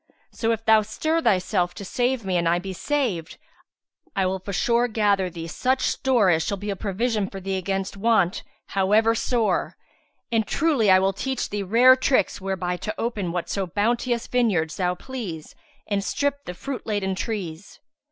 So if thou stir thyself to save me and I be saved, I will forsure gather thee such store as shall be a provision for thee against want however sore; and truly I will teach thee rare tricks whereby to open whatso bounteous vineyards thou please and strip the fruit laden trees."